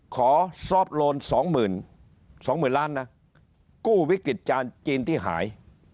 ขอซอฟโลนสองหมื่นสองหมื่นล้านนะกู้วิกฤตจานจีนที่หาย